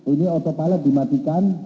ini otopilot dimatikan